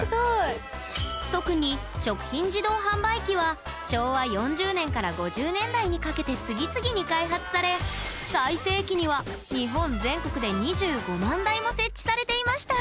特に食品自動販売機は昭和４０年から５０年代にかけて次々に開発され最盛期には日本全国で２５万台も設置されていました